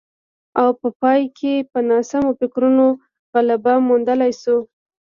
او په پای کې په ناسمو فکرونو غلبه موندلای شو